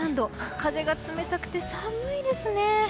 風が冷たくて寒いですね。